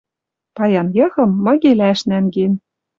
Паян йыхым — мыгилӓш нӓнген.